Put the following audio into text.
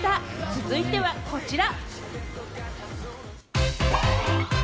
続いてはこちら。